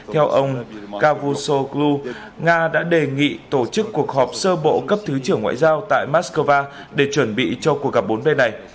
theo ông cavusoglu nga đã đề nghị tổ chức cuộc họp sơ bộ cấp thứ trưởng ngoại giao tại moscow để chuẩn bị cho cuộc gặp bốn bên này